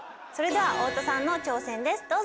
それでは太田さんの挑戦です。